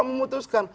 lalu fifa memutuskan